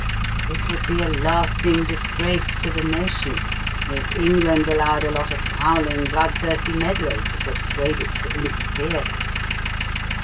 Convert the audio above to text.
It would be a lasting disgrace to the nation if England allowed a lot of howling, bloodthirsty meddlers to persuade it to interfere.